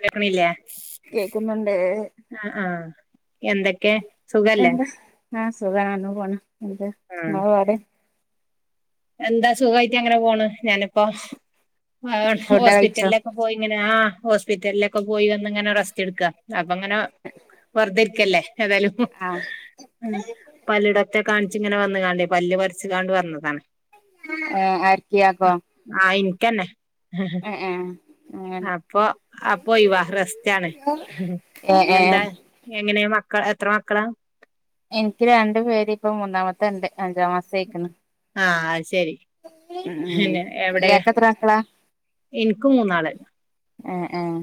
കേകണില്ല കേക്കുന്നുണ്ട് ആഹ് ആഹ എന്തൊക്കെ സുഖല്ലേ ആഹ് സുഖാണ് അങ്ങനെ പോണ എന്ത ആ മാ അരെ എന്താ സുഖമായിട്ട് അങ്ങനെ പോണ് ഞാനിപ്പോ ആ ഫുഡ് കഴിച്ചോ ഹോസ്പിറ്റലിലൊക്കെ പോയി ഇങ്ങനെയാ ഹോസ്പിറ്റലിലൊക്കെ പോയി വന്ന് ഇങ്ങനെ റസ്റ്റ് എടുക്കുക അപ്പ അങ്ങനെ വെറധരിക്കല്ലേ ഏതായാലും ആ പലട മത്തെ കാണിച്ചങ്ങനെ വന്ന കാണ്ടേ പല്രച്ച്കാണ്ട് വഞ്ഞന്നതാണ് ആർക്കിയാക്കോ ആഹ് ഇനക്ക്ന്നെ ഏ ഏ അങ്ങനെ അപ്പൊ അ പോയി വ റസ്തയാണ് ഏ ഏ എന്താ എങ്ങനെ മക്കള എത്ര മക്കളാ? ഇണ്ട് അഞ്ചാം മാസ ആക്കുന്നു ആ അത് ശരി പിന്നെ എവിടെ? ഇയാക്ക് എത്ര മക്കളാ എനിക്കും മൂന്നാളായി ആഹ് ആഹ്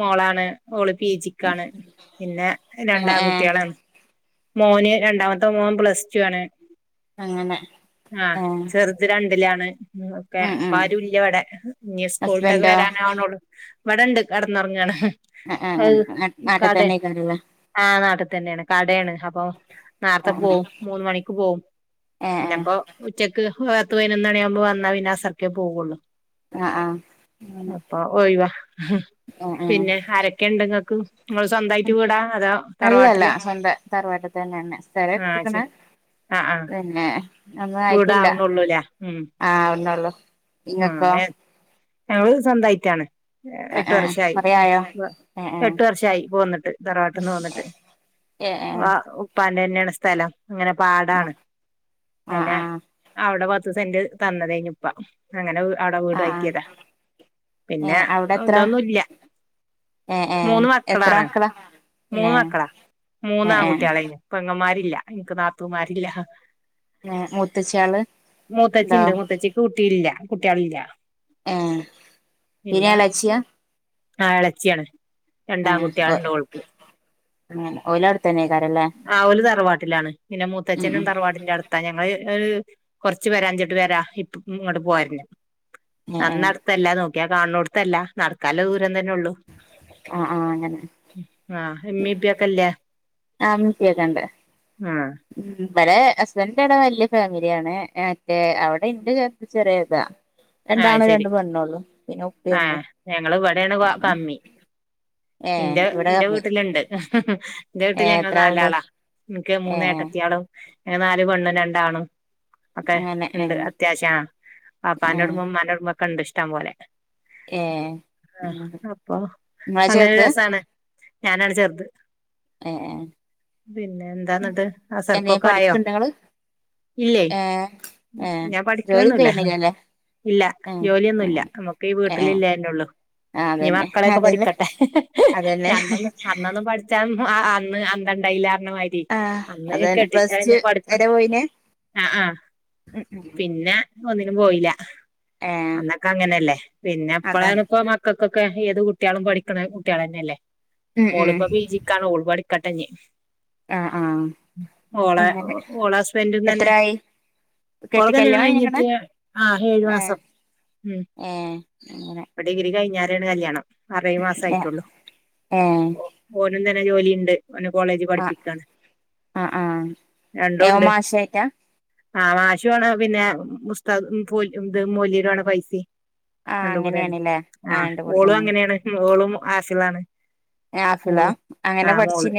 മോളാണ് മോള് പി ജക്കണ് പിന്നെ ഏ ഏ രണ്ടാൺകുട്ടികള മോന് രണ്ടാമത്തെ മോൻ പ്ലസ് ടു ആണ് അങ്ങനെ ആഹ ഏ ചെറുത് രണ്ടിലാണ് ഒക്കെ ഉം അപ്പ ഉം ആരു ഇല്ല ഇവിടെ ഇനി സ്കൂളത്തൊക്കെ ഹസ്ബൻഡോ വരാനാവണള്ളു വടണ്ട് കടന്നുറങ്ങാണ് ആ ആ അത് അങ്ങനെ നാട്ടിൽ കട തന്നെ ആയിക്കാരല്ലേ ആ നാട്ടത്ത് തന്നെയാണ് കടയാണ് അപ്പ ആ നേർത്തെ ആ പോകവും മൂന്ന മണിക്ക് പോകവും ഏ ഏ പിന്നപ്പോ ഉച്ചക്ക് ത്തത്ത് പതിനന ഒന്നാണ ആവുമ്പോ വന്നൽ വിനാസർൊക്കെ പോവുള്ളൂ ആ ആ അങ്ങനെ അപ്പൊ ഓയ്വാ ഏ ഏ പിന്നെ ആരൊക്കെ ഉണ്ടങ്ങൾക്ക് നമ്മൾ സ്വന്തമായിട്ട് വിടാ അതോ തറവാട്ടില തറവാട്ടത്ത് തന്നെന്നെ സ്ര എക്കണ ആഹ് ആഹ് പിന്നെ ഒന്നും ആയിട്ടില്ല വീടാവണള്ളൂല്ലേ ഉം ആഹ ഒന്നള്ളൂ ങ്ങക്കൊ ആഹ് ഞങ്ങള് സ്വന്തമായിട്ടാണ് ഏ എട്ടു ഏ വർഷമായി കൊറേ ആയോ ഏ ഏ എട്ടു വർഷമായി പോന്നിട്ട് ധറവാട്ടുന്ന് പോന്നിട്ട് ഏഹ് ആ വ ഉപ്പാൻ തന്നെയാണ് സ്ഥലം അങ്ങനെ ആ പാടാണ് ആ പിന്നെ ആ അവിടെ പത്ത് സെന്റ് തന്നതേയിൻപ്പ അങ്ങനെ അവിടെ ആ വീട് ആ കയറ്റയതാ ഏ പിന്നെ അവിടെ എത്ര എന്തൊന്നുംല്ല ഏ ഏ മൂന്ന് എത്ര മക്കളാണ് മക്കളാ ഏ മൂന്ന് മക്കളാ മൂന്നാ ക ഏ ഏ കുട്ടികളന് ഇപ്പ അങ്ങമാരില്ല എനക്ക് നാത്തൂമാരില്ല മൂത്തച്ച്യാള് ഇണ്ടോ മുത്തച്ചിണ്ട് മത്തച്ചിക്ക് കുട്ടിയില്ല കുട്ടികളില്ല ആഹ് പിന്നെ എളച്ചിയാ ആ ഇളച്ചിയാണ് ഓ രണ്ടാംകുട്ടിയാണ് ഉണ്ട്ൾക്ക് ഓല് അവ്ട്ത്തന്നേക്കാരല്ലേ ആ ഒരു ഒരു തറവാട്ടിലാണ് പിന്നെ ഉം മൂത്തച്ഛനും ഉം തറവാടിന്റെ അടുത്താ ഞങ്ങള് കൊറച്ചു പേരാ അഞ്ചിട്ട് പേരാ ഇപ്പ ഇങ്ങോട്ട് പോരുന്ന ഏ ഏ നന്നടഥംല്ലാ നോക്ക എ കാണ കൊടുത്തല്ല നടക്കാല തന്നെ ഉള്ളൂ ആ ആ അങ്ങനെ ആഹ് മ്മി ഇബക്കല്ലേ ആ മസിയക്കണ്ടേ ഉ മ്മല ഹസ്ബൻഡന്റെട വലിയ ഫാമിലിയാണ് മറ്റേ അവിടെ ഇന്റെ ച ചെറിയതാ ആ രണ്ടാണോ ശരി രണ്ട പെണ്ണള്ളൂ പിന്നെ ആ ഉപ്പിമ്മേ എന്റെ എന്റെ വീട്ടിലുണ്ട് എന്റെ ഏ വീട്ടിൽ ഞങ്ങള്ൾ എത്ര ആളുണ്ട് നാലാളാ എനിക്ക് ഏ മൂന്നേട്ടത്തിയാളോ ഞങ്ങ നാല് പെണ്ണ് രണ്ടാാണ് അപ്പൊ അങ്ങനെ ഏ ഉണ്ട് അത്യാവശ്യം ആ ഏ പാപ്പാനോട് മ്മ കണ്ട ഇഷ്ടം പോലെ ഏ ആ നിങ്ങളെ അപ്പൊ അങ്ങനെ ചെറുത് രസാണ് ഞാനാണ് ചെറത് ഏ പിന്നെ എന്താന്നട്ട് എന്തേലും അസർപ്പൊക്കെ ആയോ പഠിക്കണ്ടോ നിങ്ങള് ഇല്ലേ ഏ ഏ ഞാൻ ജോലിയും പഠിക്കണന്നല്ല ചെയ്യണില്ലല്ലേ ഇല്ല ഏ ജോലിയൊന്നുല്ല നമ്മുക്ക് ഈ ഏ വീട്ടില ഇല്ലന്നെ ഉള്ളൂ ആ നീ അതന്നെ മക്കളെയൊക്കെ അതന്നെ പഠിക്കട്ടെ അതന്നെ അന്നൊന്ന് അന്നൊന്നും പഠിച്ചാൻ അന്ന് അന്തണ്ടായില്ല മാരി ആ അന്ന് അതന്നെ കെട്ടിച്ചാ പ്ലസ് ടു എന്നെ പഠിപ്പ് വരെ പോയിനെ ആ ആ പിന്നെ ഒന്നിനും പോയില്ല ഏ അന്നൊക്കെ അങ്ങനെയല്ലേ പിന്നെ അതാണ് എപ്പഴാണ് ഇപ്പ മക്കൾക്കെ ഏത് കുട്ടികളും പഠിക്കണ കുട്ടികള തന്നെയല്ലേ ഉം ഉം മോളപ്പ ബീജിക്കാണ്ോൾ പഠിക്കാട്ടെന്നെയെ ആ ആ ഓള അങ്ങനെ ഓള ഹസ്ബൻഡന്ന് തന്നെ എത്രായി കെട്ടി കൊഴഗലണ കല്യാണം കഴിഞ്ഞേക്കണ് ഇഞ്ഞിട്ട് ഏ ആഹ്വാ ഏ അങ്ങനെ ഉ ഡിഗ്രി കഴിഞ്ഞരാണ് കല്യാണം അറേ മാസ ഏ ആയിട്ടുള്ളു ഏ ഓ ഓനും തന്നെ ജോലിുണ്ട് പിെ കോളേജിൽ ആ പഠിപ്പിക്കാണ് ആ ആ രണ്ട ഉണ്ട് ഏമാശായിട്ടാ ആഹ് മാാശുാണ് പിന്നെ മുസ്തകം ഇ മൂല്യര ആണ പൈസ ആ കണ്ട കൂടെെ അങ്ങനെയാണല്ലേ ആ ആ് രണ്ട് കൂടി ഓളും അങ്ങനെയാണ് ഓളും ആസിലാണ് ഫിലാം അങ്ങനെ മോള് പഠിച്ചീന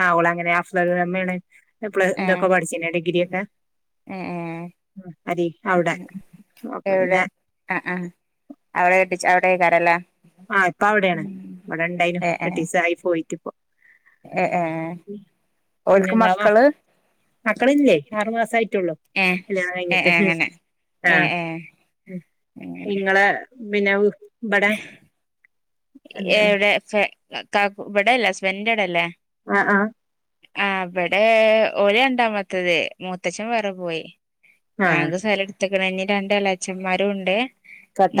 ആ അവള അങ്ങനൊഫ്മ്മാണ് ഇതൊക്കെ പഠിച്ചന്നെ ഡിഗ്രിൊക്കെ ഉ ഉ അരി അഔടാ എവിടെ ആ ആ അവിടെ അവിടെ കരല ആഹ ഇപ്പ അവിടെയാണ് ഇവിടെ ഇണ്ടായിു ഏ ഏ കട്ടീ ആയി പോയിട്ട ഇപ്പോ ഏ ഏ ക്ക് മക്കള് മക്കള ഇല്ലേ ആറുമാസ ആയിട്ടുള്ളൂ ഏ അല്ല ഏ കഴിഞ്ഞിട്ട് ഏ അങ്ങനെ ഏ ആഹ ഏ അങ്ങനെ ഇങ്ങളെ വിനാവ ഇവിടെ എന്താ എവിടെ ഇവിടെയല്ലേ ഹസ്ബന്ഡന്റെ ഇട അല്ലേ ആഹ ആഹ ആ അവിടെ ഒഓല ഉണ്ടാ പത്തത് മൂത്തച്ഛൻ വേറെ പോയി ആ ഞങ്ങക്ക് സ്ഥലം എടുത്തക്കണ രണ്ട അലാച്ചന്മാരും ഉണ്ട്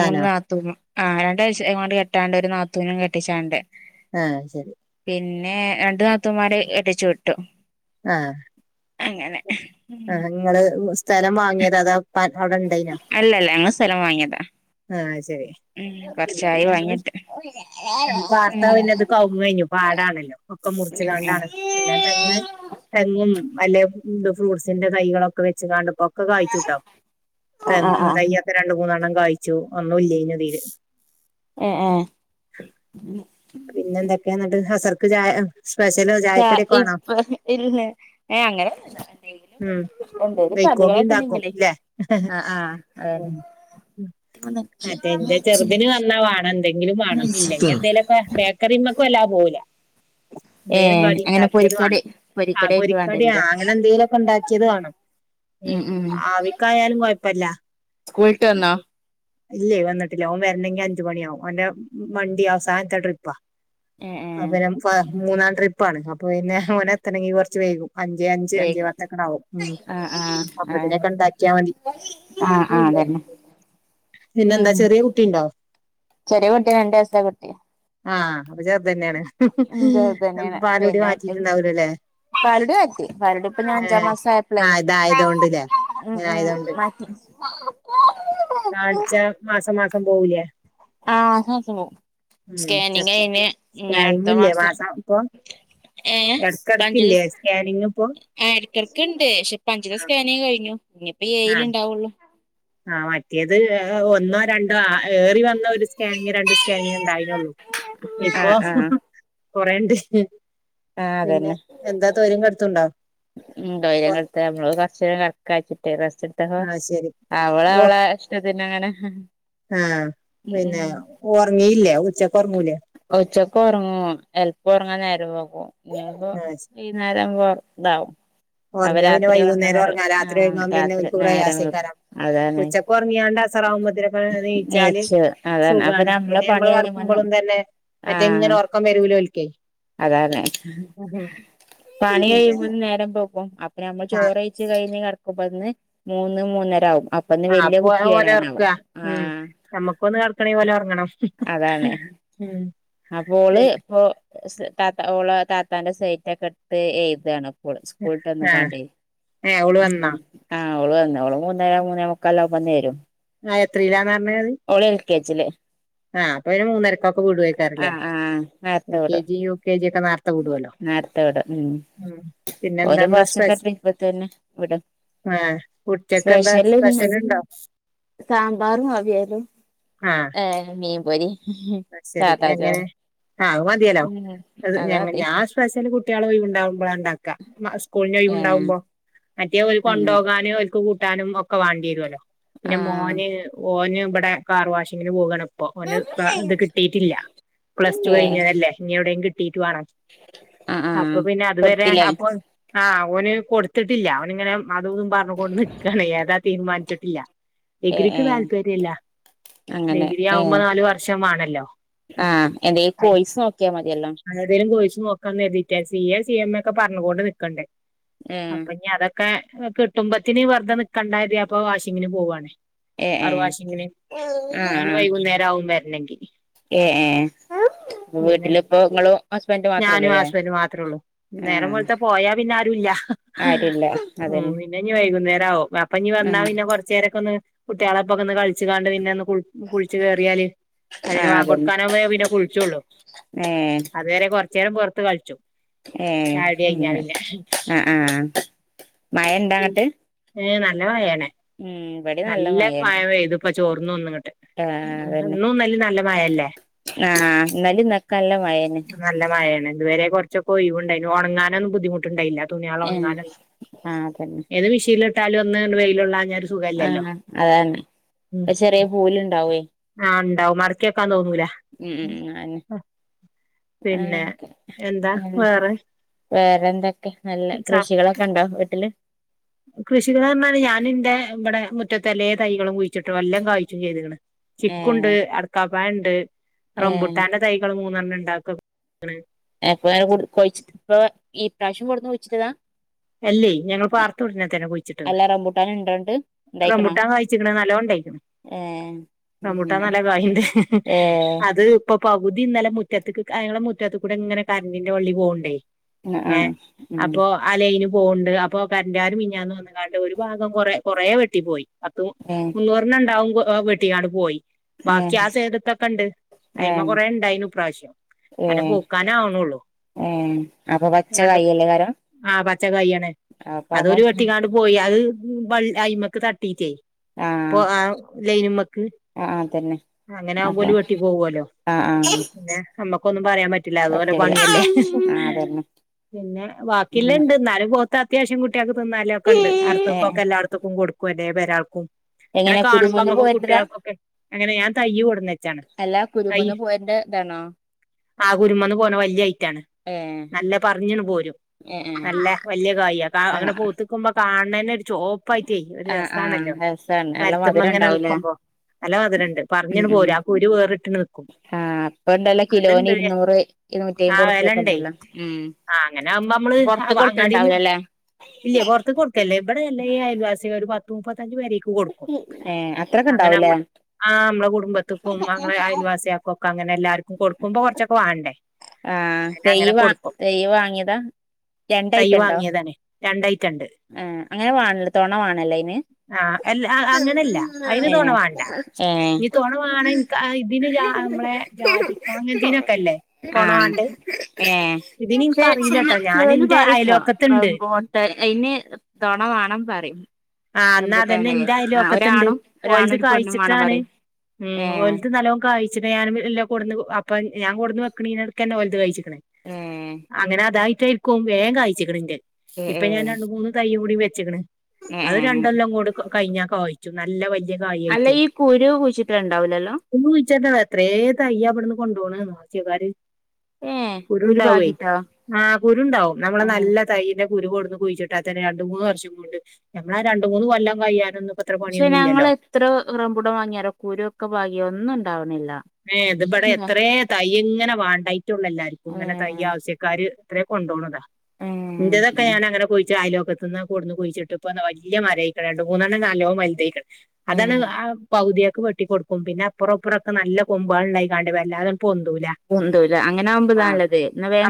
മൂന്ന് നാത്തൂമ്മ ആ് രണ്ടാം ഇങ്ങോണ്ട് കെട്ടാണ്ട് ഒരു നാത്തൂനും കെട്ടിച്ചാണ്ട് ആഹ ശരി പിന്നെ രണ്ടു താത്തമാര് അടിച്ചു വിട്ടു ആഹ അങ്ങനെ ഉം ആഹ നിങ്ങള് സ്ഥലം വാങ്ങിയത് അതാ പ അവിടെ ഉണ്ടേനോ അല്ലല്ല ഞങ്ങൾ സ്ഥലം വാങ്ങിയതാ ആഹ ശരി ഉം ഇതിപ്പ കൊറച്ചായി ഞങ്ങള് വാങ്ങിട്ട് വാർത്താവ പിന്നെത് കവ കഴിഞ്ഞു പാടാണല്ലോ ഉം മുറിച്ചതാണ്ടാണ് പിന്നെ തെങ്ങ് തെങ്ങും അല്ലെ ഫ്രൂട്ട്സിന്റെ കൈകളൊക്കെ വെച്ച് ക ഇപ്പൊക്കെ കായിച്ചുട്ടോ ആ ആ ആ തയ്യൊക്കെ രണ്ട മൂന്നെണ്ണം കായിച്ചു ഒന്നും ഇല്ല ഇ തീര് ഏ ഏ പിന്നെ എന്തൊക്കെയ എന്നിട്ട് ഹസർക്ക് ചായ സ്പെഷ്യല് ചായക്കടിയൊക്കെ വേണോ ഇപ്പൊ ഇന്ന് അങ്ങനെ എന്തെങ്കിലും ഉം എന്തേിലും വൈക്കോങ്കി ഇണ്ടാക്കും കടികളൊക്കെണെങ്കിലേ ല്ലേ ആ ആഹ ഉം അതന്നെ മറ്റേ എന്റെ ചെറുതിന് വന്നാ വേണം എന്തെങ്കിലും വേണം ഇല്ലെങ്കിൽ എന്തേലൊക്കെ ബേക്കറ ല്ലാ പോല ഏ എന്തേങ്കലും കടി അങ്ങനെ ഉണ്ടാക്കിയത് പൊരിക്കടി വേണം അ പൊരിക്കടി ആയിട്ട് പൊരിക്കടിയ വേണ്ടിവരൂല്ലേ അങ്ങനെ എന്തേങ്കലിലുംൊക്കെ ഉണ്ടാക്കിയത് വേണം എ ഉം ഉം ആവിക്കായാലും കൊഴപ്പല്ല സ്ക്കൂൾ വിട്ട് വന്നോ? ഇല്ലേ വന്നിട്ടില്ല. ഓൻ വരണെങ്കി അഞ്ചുമണിയാവും ഓന്റെ വണ്ടി അവസാനത്തെ ട്രിപ്പാ ഏ അ ഏ പിന്നെ ഫ മൂന്നാം ട്രിപ്പാണ്. അപ്പൊ പിന്നെ ഓനെ എത്തണമെങ്കിൽ കുറച്ച് വൈകും അഞ്ചേ അഞ്ച് വേഗ അഞ്ചേ പത്തക്കണാവും. ഉ ആ ആ ആ അപ്പതിനെക്കെ ഉണ്ടാക്കിയാ മതി ആ ആ പിന്നെ ഉം അതന്നെ പിന്നെന്താ ചെറിയ കുട്ടിണ്ടോ ചെറിയ കുട്ടിയ രണ്ട് വയസായ കുട്ടി പ്പ ചെർതന്നെയാണ് ഹ് ചെറുത് ഹി തന്നെയാണ് പാലുടി പിന്നെ മറ്റേ മാറ്റിട്ടുണ്ടാവലോല്ലേ പാലുടി മാറ്റി പാലുടിപ്പൊ ഞാ അഞ്ചാം മാസം ആയപ്പളേ ആഹ് ഇതായതോണ്ട്ല്ലേ ഉം ഉം മാറ്റി കാണ്ച്ച മാസം മാസം പോവുലേ ആഹ മാസംപോവും ഉം ചെക്കപ്പ് സ്കാനിംഗ് ല്ലേ മാസം മാസവുമ്പോ ഏ എട്ക്കട്ക്കില്ലേ സ്കാനിങ്പ്പോ അ എട്ക്കട്ക്കിണ്ട് ഷെ പ്പഅഞ്ചിലെ സ്കാനിങ് കഴിഞ്ഞു. ഇൻഞ്ഞിപ്പ ഏയ്ല്ണ്ടാവൊള്ളൂ ആ മറ്റേത് ഒന്നോ രണ്ടോ ഏറിവന്ന ഒരു സ്കാനിങ് രണ്ട് സ്കാനിങ്ണ്ടായി റ്റെഒള്ളു ആ ഇപ്പൊ ആ കൊറേണ്ട് പിന്നെ എന്താ തൊ ഇണ്ടായിനെട്തെ ഇവള് കച്ചറണ്ടാക്കക്കിട്ട് റസ്റ്റ്‌ ഇട് ത ത ആഹ് ശരി അവള അവള ഇഷ്ട്ടത്തിന് അങ്ങനെ ആ ഉം ഉം പിന്നെ ഒർങ്ങീല്ല ഉച്ചക്ക് ഒറങ്ങൂല ഉച്ചക്ക ഒർങ്ങൂ എൽപ്പം ഒർങ്ങാൻ നേരംവെകും ഇഞ്പ്പോ ഈ നേരവുമ്പോ ഇതാവും അവ ഒറങ്ങിയ പിന്നെ രാത്രി ഒറങ്ങുന്നേരം വൈകുന്നേരഒറങ്ങാ രാത്രി ആഹ് ഉറങ്ങ രാത്രി പിന്നോൽക് നേരം വൈകും പ്രയാസായിക്കാരം. അതാണ് ഉച്ചക്ക് ഒറങ്ങിയാണ്ട അസറാവുമ്പത്തിനൊക്കെ നീച്ചാല് നീച്ച് അതാണ് അപ്പൊ സുഖാണ്. നമ്മളെ പിന്നെ പണി മ്മള് കഴിയുമ്പോന്ന് കെട്ക്കുമ്പൊള് ന്തെ പിന്നെ മറ്റെങ്ങനെ ഒറക്കം വെരുലോൽക്കെ അതാർഞ്ഞെ പണി പിന്നെ കഴിയുമ്പോത്തിന് നേരംമ്പെകും അ പ്പ നമ്മൾ ആ ചോറെഴിച്ച്കഴിഞ്ഞ് കിടക്കുമ്പന്ന് മൂന്ന് മൂന്നര ആവും ആ പോള ഓലെഒർക്ക ഉം ആഹ് നമ്മക്കൊന്ന് കെട് ക്കണി ഓലൊർങ്ങണം അപ്പ ഓള് ഇപ്പൊ ഓള താത്താന്റെ സൈറ്റഒക്കെ ഇട്ത് എഴ്താണ് ഓള് ആ സ്കൂൾട്ടന്ന്കാണ്ടേ ഏ ഓള് വന്നാ ആ ഓള് വന്ന് ഓള് മൂന്നര മൂന്നേ മുക്കെല്ലാവുമ്പന്നേരും ആഹ എത്രല്ലാന്നർഞ്ഞ അഹ് കേജ്ജ്ലേ ആ അപ്പൊ പിന്നെ മൂന്നരക്കൊക് ക്ക വിടൊയ്ക്കാരെല്ലേ ആഹ് ആഹ് നേരത്തെ എൽ കെ വിടും ജി യുകെ ജി ഒക്കെ നേര്ത്തെ വിടൊല്ലോ ഓലെ ഫസ്റ്റ്ത്ത ട്രിപ്പ് തന്നെ വിടും ആ ഉച്ചക്കെന്താ സ്പെഷ്യല് ഇന്ന് സ്പഷല്ണ്ടോ സാമ്പാറും അവിയലും ആ ഏ മീൻപൊരി അത് ശരി സാദാ എങ്ങനെ ചോറ് അത് മതിയല്ലോ ഉം അത് അതാ ഞങ്ങ മതി ഞാൻ സ്പെഷല് കുട്ടിളെ ഒഴിവ്ണ്ടാവുമ്പളാ ൻ ണ്ടാക്ക സ്കൂൾന് ഏഹ് ഒഴിവ്ണ്ടാവുമ്പൊ മറ്റേ ഒരു അങ്ങനെ കൊണ്ടോകാനു ഓൽക്ക് കൂട്ടാനും ഒക്കെവാണ്ടിരൊല്ലോ പിന്നെ ആഹ് മോന് ഓന് ഇവിടെ കാർ വാഷിങ്ങിന് പോകണപ്പോ ഓന് ക കിട്ടിട്ടില്ല പ്ലസ്ടു ഏഹ് കഴിഞ്ഞതല്ലേ ഇനി എവിടെ കി ട്ടിട്ട് വേണം ആഹ് അപ്പൊ ആഹ് പിന്നെ അതുവരെ കൊടുത്തില്ലേ അപ്പൊ ആ ഓന് കൊടുത്തിട്ടില്ല ഓനിങ്ങനെ അതുഇതും പറഞ്ഞുകൊണ്ട് നിക്കാണ് ഏതാ തീരുമാനിച്ചിട്ടില്ല. ഏഹ് ഡിഗ്രിക്ക് ഏഹ് താല്പര്യല്ല. അങ്ങനെ ഡിഗ്രി ഏഹ് ആവുമ്പോ നാല് വർഷം വാണ ല്ലൊ ആഹ് എന്തേലും അയി കോഴ്സ് നോക്കിയാ മതിയല്ലോ അങ്ങനെതേലും കോഴ്സ് നോക്കന്ന അര്തിട്ട സി എ സി എം ഒക്കെ പറഞ്ഞുകോണ്ട് നിക്കണ്ടേ ഉം അപ്പൊ ഇഞ്ഞി അത ഒക്കെ കിട്ടുമ്പത്തിന് വെറുതെ നിക്കണ്ടാരുതി അപ്പ വാഷിങ്ങിന് പോവാണ്. ഏ ഏ കാർ വാഷിംങ്ങിന് ആഹ് ഞ്ഞോന് ആഹ് വൈകുന്നേരാവും വരുനെങ്കി. ഏ ഏ വീട്ടിലിപ്പോ ഇങ്ങളും ഹസ്ബൻഡ് മാത്രേ ഞാനും ഉള്ളൂല്ലേ ഹസ്ബൻഡ് മാത്രേഒള്ളൂ ആഹ് നേരെംവെളുത്ത പോയാപിന്നെ ആരുല്ല. ആരുല്ല ഉം അതന്നെ പിന്നെ ഇഞ് വൈകുന്നേരംആവും അപ്പൊ ഇഞ് ആഹ് വന്നാപിന്നെ കൊറചേരക്കൊന്ന് കുട്ടിളെപൊക്കൊന്ന് കളിച്ച്കാണ്ട് പിന്നെഒന്ന് കുള് കുളിച്ച് കേറിയാല് അയിന് ആഹ് ബാങ്ക് അതന്നെ കൊടുക്കാനാവുമ്പയെ പിന്നെ കുളിച്ചോള്ളു ഏ പൊർത്ത് കളിച്ചും ഏ ചായുടി കഴിഞ്ഞാ ങ്ങനെ പിന്നെ ആ ആഹ മഴ ഇൻട്ടാ അങ്ങട്ട്. ഏ നല്ല മയെണ് ഉം ഇവിടെ നല്ല മഴപെയ്തു ഇപ്പം ചോർന്ന് ഒന്ന് ങ്ങട്ട്. ആഹ അതന്നെ ആഹ ഇന്നലിം ഇന്ന് ഒക്കെ നല്ല മഴന്നെ. നല്ല മഴാണ് ഇതുവരെ കുറച്ചൊക്കെ ഒഴിവുണ്ടയ്ന്നു ഉണങ്ങാനൊന്നും ബുദ്ധിമുട്ടുണ്ടായില്ല. തുണിയാള് ഏഹ് ഒണങ്ങനും ആഹ് അതന്നെ ഏത് മിഷീൽട്ടാലും ഒന്ന് ണ് വെയ്ല് - ൽ കൊള്ളാന്നാൽ ഒരു സുഖയില്ലല്ലോ. ആഹ് അതാണ് ചെറിയ പൂല് ഇണ്ടാവേ ആ മ് ണ്ടാവും മടക്കി വെക്കാൻ തോന്നൂല ഉം ഉം ഉം അ ആന്നെ. പിന്നെ എന്താ വേറെ. വേറെ എന്തൊക്കെ നല്ല കൃഷികളൊക്കെ ഉണ്ടോ വീട്ടില്. കൃഷികൾ പറഞ്ഞാൽ ഞാൻ ഇന്റെ ഇവിടെ മുറ്റത്ത്എല്ലാ തൈകളും കുഴിച്ചിട്ടുഎല്ലാം കായ്ച്ചും ചെയ്ത്ക്ക് ണ്. ചിക്കുണ്ട് ഏഹ് അടക്കാപ്പായണ്ട് ഏഹ് റംബുട്ടാന്റെ തൈകള് മൂന്നെണ്ണം ഉണ്ട് അതൊക്കെ എപ്പ കൊഴിച്ച് ഇപ്പൊ ഈ പ്രാവിശ്യം കൊടുഞ്ഞ് കുഴിച്ചിട്ടതാ. അല്ലേ ഞങ്ങള് പാർത്ത ഉടനെ തന്നെ കുഴിച്ചിട്ടത്താ അല്ല റംബൂട്ടാൻ ഇണ്ടോണ്ട് റംബുട്ടാൻകഴിച്ച്ക്ക്ണനല്ല. നല്ലോണ്ടയ്ക്ക്ണ്. ഏ. റമ്പൂട്ടാൻനല്ല കായ്ണ്ട് അത് ഇപ്പ പൗ ദ്ധി ഇന്നലെ മുറ്റത്ത്ക്ക് അങ്ങളെ മുറ്റത്ത് കൂടി ഇങ്ങനെ കറന്റിന്റെ വള്ളി പോക്ണ്ടേ. ഏ ആഹ് ഉം അപ്പൊ അ ലൈനും. പോക്ണ്ട് അപ്പൊ കാന്റർ മിഞ്ഞാന്ന് വന്ന്കാണ്ട് ഒരു ഭാഗംകൊറേ കൊറേ വെട്ടി പോയി. പത്ത് മു ഏഹ് മുന്നൂർണ്ണം ഉണ്ടാവും വെട്ടിക്കാണ്ട്പോയി. ബാക്കി ആ ഏഹ് സൈയ്ട്ട്ത്തൊക്കെ ഇണ്ട് അയിമ ഏഹ് കൊറെേ ഇണ്ടായ്നു ഇപ്രാശ്യം. അനെ ഏഹ് പൗക്കാൻ ആവ്ണ്ള്ളൂ ഏഹ് അപ്പൊ പച്ച ഇണ്ട് കായല്ലേകാരം ആ പച്ച. പച്ചകയാണ് അപ്പൊ നമ്മ അതൊരു വെട്ടിക്കാണ്ട് പോയി അത് വള്ളി അയ്മക്ക് തട്ടീറ്റേ. പോ ആഹ് ആ ലൈൻമ്മക്ക്. ആഹ് അതന്നെ അങ്ങനെ ആകുമ്പോ അപ്പൊ ഓൽ വെട്ടി പോവല്ലോ ആഹ് ആഹ് ഏ പറയാൻ പറ്റില്ല അതൊലെ പറ്റൂല പണിയല്ലേ ആഹ് അതന്നെ പിന്നെ ഉം ബാക്കിള്ളണ്ട്. പൗത്ത് അത്യാവിശ്യംകുട്ടിയൾക്ക് തിന്നാലേക്കെണ്ട് അടുത്ത് ഏഹ് ഒക്കെ എല്ലട്ത്ത്ക്കും കൊടുക്കും എല്ലാപേരാൾക്കും. അങ്ങനെ എങ്ങനെ കാണുമ്പോ കുരുമന്ന് അമ്മക്കും പോര്ണ്ടതാ കുട്ടികൾക്കൊക്കെ അങ്ങനെ ഞാൻ തയ്യ് കൊടുന്ന് വെച്ചാണ്. അല്ലാ തയ്യ് കുരുമന്ന് പോര്ന്റെ താണോ? ആ കുരുമന്ന് പോര്ന വല്യ ഐറ്റാണ് ഏ നല്ല പറഞ്ഞ്ട്ട് പോരും. ഏ ഏ നല്ല വലിയ കായിയാ കാ ആ അങ്ങനെ പൗത്ത് ക്കുമ്പോ കാണേന ഒരു ചോപ്പായിട്ട് ഒരു ആ ആ രസാണല്ലോ? രസാണ് നല്ല മര്ത്തുമ്മേ മധുരം ങ്ങനെ ഉണ്ടാവൂലേ നിൽക്കുമ്പോ നല്ല മധ് രണ്ട് പറിഞ്ഞ്ട്ട്പോര ആ കുരു വേറിട്ട്ണ് നിക്കും ആഹ് അപ്പൊ ഇണ്ടല്ലോ കിലോന് അതുണ്ട് ഇരുന്നൂറ് ഇരുന്നൂറ്റയ്മ്പ്ത് ഉർുപ്പ്യൊക്കെ ണ്ടല്ലോ ഉം. അങ്ങന ആകുമ്പമ്മള്. അ പൊറത്ത് അങ്ങാടിന്ന് കൊടുക്കലുണ്ടാവൂലല്ലേ ഇല്ല പുറത്ത് കൊടുക്കാലില്ല ഇവിടെ എല്ലേ അയൽവാസികൾ ഒരു പത്ത് മുപ്പത് പത്തഞ്ചു പേരേക്ക് കൊടുക്കും ഏ അത്രൊക്കെ അങ്ങനെ ഉണ്ടാവൂലേ നമ്മളെ ആ നമ്മളെ കുടുംബത്ത്ക്കും അമ്മെളെ അയൽവാസിയാക്കൊക്കെ അങ്ങനെ എല്ലാർക്കും കൊടുക്കുമ്പങ്ങനെ കുറച്ചൊക്കെ വാണ്ടേ. ആഹ അങ്ങനെ തെയ്യ് വാങ് തെയ്യ് വാങ്ങിയതാ? തൈയ്യ് രണ്ടായിട്ടുണ്ടോ വാങ്ങിയതാണ് രണ്ടായിറ്റം ആ അങ്ങനെ വാണല്ലോ തോണ വാണല്ലെ അയ്ന്. ആഹ അല്ല അങ്ങനല്ല അതിന് തോണ വണ്ട ഏ ഏ ഇനി തോണവാണ ഇൻ ക ഇതിന് രാ നമ്മളെ ജാതിക്കാ ങ്ങനെതീനൊക്കെല്ലേ തൊണവാണ്ട്- ഏ ചേ ചെല ചേലോല് ഇന്റെ പറിട്ടോ അയലോക്കത്ത്ണ്ട് റമ്പോട്ടാന് പിന്നെയ് തൊണ വാണം പറിമ് ആ ന്ന അതന്നെ ന്റെ ആയലോ ക്കത്തണ്ട് ഒരാണും ഓലത് ഒരു പെണ്ണും വാണം കഴിച്ചിട്ടാണ്. പറിം മ് ഏഹ് ഓലത്ത് നല്ലോണ് കായ്ച്ചിട്ടെ ഞാനും എല്ല കൊട്ന്ന്- അപ്പൊ ഞാൻ കൊടുന്ന് വെക്ക്ണീന്റെടക്കന്നെ ഓലത് കയ്ച്ചിക്ക്ണ് ഏഹ് അങ്ങനെ അതായിരി അതായിട്ടേയ്ക്കും ക്കും വേം കായ്ച്ചിക്ക്ണ്ന്റെ ഏഹ് ഇപ്പൊ ഞാൻ ഏഹ് രണ്ട് മൂന്ന് തയ്യുംകൂടി വെച്ച്ക്ക്ണ്. ഏഹ് അത് ഏഹ് അങ്ങനെ രണ്ടെല്ലം കൂടി കഴിഞ്ഞാൽ കയ്ച്ചും നല്ല വല്യ കായി അല്ല യായിട്ടേ ഈ കുരു കുഴിച്ചിട്ട്ണ്ടാവൂലല്ലോ - ഇത്രയ തയ്യ അവിടെന്ന് കൊണ്ടു പോണന്നോ ആസ്യക്കാർ. ഏ കുരുണ്ടാവേ ആഹ് കുരുണ്ടാവും നമ്മളെ ഏഹ് നല്ല തൈെ- കുരു കൊടന്ന് കുറിച്ചിട്ട തന്നെ രണ്ട മൂന്ന് വർഷം കൊണ്ട്ഞമ്മള ആ രണ്ട മൂന്ന് കൊല്ലം കയ്യ- പക്ഷെ ഞങ്ങ എത്ര റംമ്പുടം വാങ്ങിയരോ കൂര ഒക്കെ ഭാഗിയോ ഒന്നും- ഉണ്ടാവണില്ല ഏ ഇത്വിടെ അതെന്താ എത്രേ തയ്യ ഇങ്ങനെ വാണ്ടായിട്ടുള്ളല്ല ആരിക്കും ഇങ്ങനെ ഏഹ് തയ്യ ആവശ്യക്കാാര്- അത്ര കൊണ്ടപോണതാ ഏഹ് ഇൻറേതൊക്കെ ഞാൻങ്ങനെ പോയി ആയലുംക്കെ- തിന്ന് കൊടന്ന് കുഴിച്ചിട്ട് ഇപ്പ വല്ല്യ മരയക്കണ്ട് രണ്ട് മൂന്നണ്ണം നാലോ മലുതൈക്കൾ. അതാണ് ഏഹ് ആ പകതിയൊക്കെ വെട്ടി കൊടുക്കും പിന്നെ അപ്പറം അപ്പറൊക്കെ നല്ല കൊമ്പുകളായി കാാണ്ടി വല്ലാണ്ട് - ഉന്തൂല്ല അങ്ങനെ ആകുമ്പോതാണല്ലത് എന്ന വേ-